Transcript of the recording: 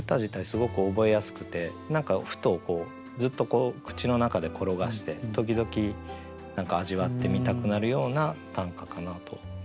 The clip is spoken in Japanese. すごく覚えやすくて何かふとずっと口の中で転がして時々味わってみたくなるような短歌かなと思いました。